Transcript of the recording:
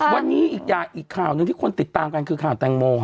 วันนี้อีกข่าวหนึ่งที่คนติดตามกันคือข่าวแตงโม